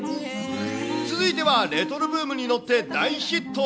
続いては、レトロブームに乗って大ヒット。